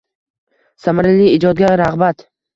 Samarali ijodga rag‘bat